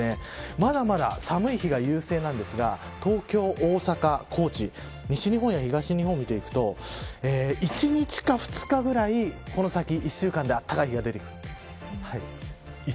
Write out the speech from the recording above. まだまだ寒い日が優勢なんですが東京、大阪、高知西日本や東日本を見ていくと１日か２日ぐらいこの先１週間で暖かい日が出てくる。